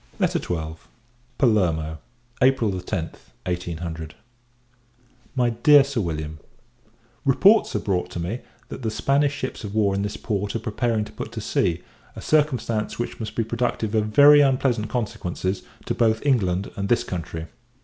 XII. Palermo, April 10th, 1800. MY DEAR SIR WILLIAM, Reports are brought to me, that the Spanish ships of war in this port are preparing to put to sea; a circumstance which must be productive of very unpleasant consequences, to both England and this country.